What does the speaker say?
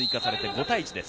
５対１です。